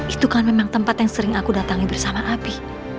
itu kan memang tempat yang sering aku datangi bersama api